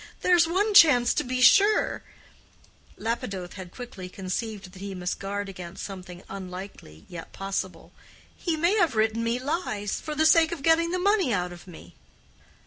There's one chance to be sure—" Lapidoth had quickly conceived that he must guard against something unlikely, yet possible—"he may have written me lies for the sake of getting the money out of me."